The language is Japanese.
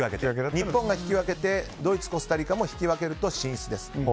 日本が引き分けてドイツ、コスタリカも引き分けると進出です。